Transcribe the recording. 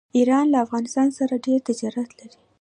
ایران له افغانستان سره ډیر تجارت لري.